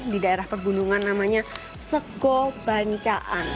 di daerah pegunungan namanya sego bancaan